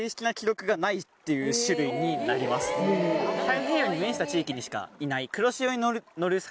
太平洋に面した地域にしかいない。